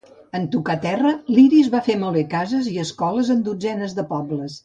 En tocar terra, l'Iris va fer malbé cases i escoles en dotzenes de pobles.